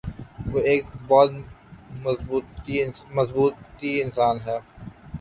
وہ ایک بہت محنتی انسان ہے۔